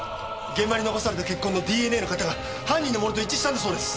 現場に残された血痕のＤＮＡの型が犯人のものと一致したんだそうです。